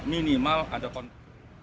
minimal ada kontrak